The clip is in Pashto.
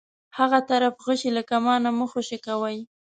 هغه طرف غشی له کمانه مه خوشی کوئ.